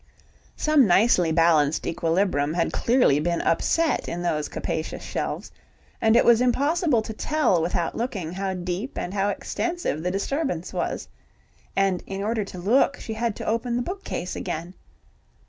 Some nicely balanced equilibrium had clearly been upset in those capacious shelves, and it was impossible to tell, without looking, how deep and how extensive the disturbance was. And in order to look, she had to open the bookcase again.